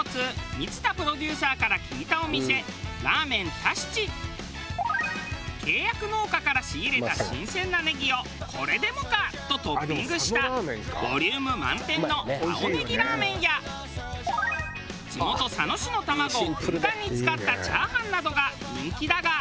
満田プロデューサーから聞いたお店契約農家から仕入れた新鮮なねぎをこれでもか！とトッピングしたボリューム満点の青ねぎラーメンや地元佐野市の卵をふんだんに使ったチャーハンなどが人気だが。